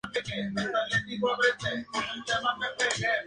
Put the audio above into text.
Con el cambio de propietarios pasaron al negro, dorado, blanco y azul marino.